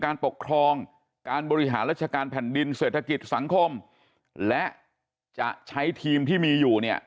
การปกครองการบริหารราชการแผ่นดินเศรษฐกิจสังคมและจะใช้ทีมที่มีอยู่เนี่ย